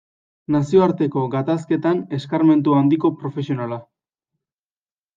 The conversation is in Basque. Nazioarteko gatazketan eskarmentu handiko profesionala.